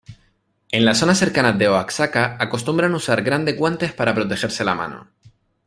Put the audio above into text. En las zonas cercanas de Oaxaca acostumbran usar grandes guantes para protegerse la mano.